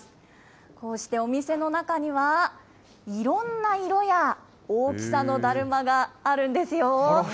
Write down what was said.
こうしてお店の中には、いろんな色や、大きさのだるまがあるんですよ。